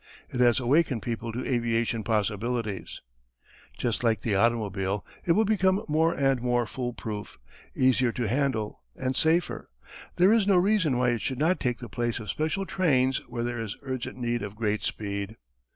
It has awakened people to aviation possibilities. [Illustration: Stringfellow's Airplane.] "Just like the automobile, it will become more and more fool proof, easier to handle and safer. There is no reason why it should not take the place of special trains where there is urgent need of great speed.